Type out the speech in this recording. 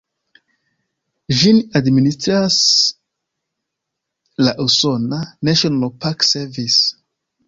Ĝin administras la usona "National Park Service".